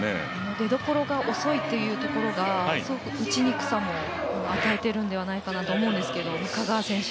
出どころが遅いというところがすごく打ちにくさも与えているのではないかと思うんですけど、中川選手